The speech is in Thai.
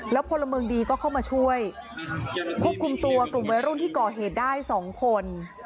พลเมืองดีก็เข้ามาช่วยควบคุมตัวกลุ่มวัยรุ่นที่ก่อเหตุได้สองคน